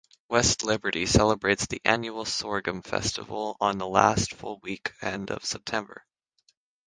West Liberty celebrates the annual Sorghum Festival on the last full weekend of September.